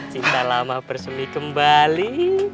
cinta lama bersemi kembali